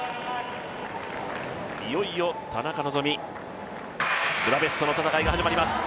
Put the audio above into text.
いよいよ田中希実、ブダペストの戦いが始まります。